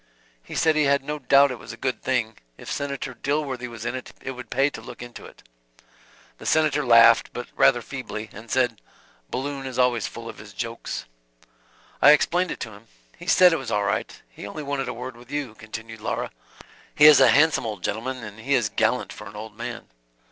"He said he had no doubt it was a good thing; if Senator Dilworthy was in it, it would pay to look into it." The Senator laughed, but rather feebly, and said, "Balloon is always full of his jokes." "I explained it to him. He said it was all right, he only wanted a word with you,", continued Laura. "He is a handsome old gentleman, and he is gallant for an old man."